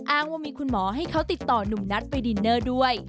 อ้างว่ามีคุณหมอให้เขาติดต่อหนุ่มนัทไปดินเนอร์ด้วย